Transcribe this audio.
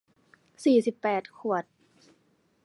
สี่สิบแปดขวด